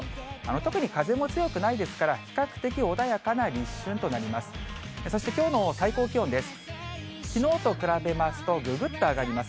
特に風も強くないですから、比較的穏やかな立春となります。